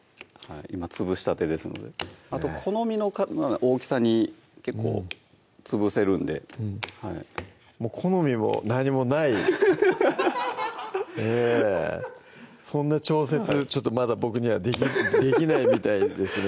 今潰したてですのであと好みの大きさに結構潰せるんでもう好みも何もないそんな調節ちょっとまだ僕にはできないみたいですね